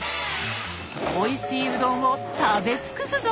おいしいうどんを食べ尽くすぞ！